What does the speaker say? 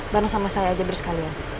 bareng sama saya aja bersekalian